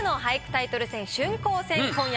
タイトル戦春光戦今夜